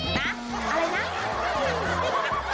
นะอะไรนะ